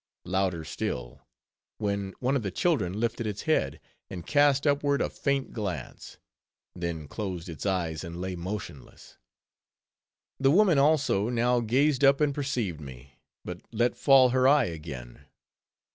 Louder still; when one of the children lifted its head, and cast upward a faint glance; then closed its eyes, and lay motionless. The woman also, now gazed up, and perceived me; but let fall her eye again.